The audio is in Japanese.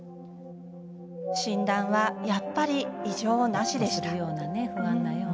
診断はやっぱり異常なしでした。